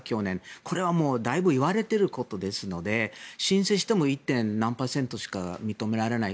これはもうだいぶ言われていることですので申請しても１．何パーセントしか認められない。